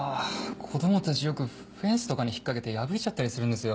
子供たちよくフェンスとかに引っ掛けて破いちゃったりするんですよ。